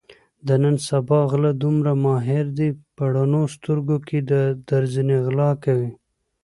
د نن سبا غله دومره ماهر دي په رڼو سترګو کې درځنې غلا کوي.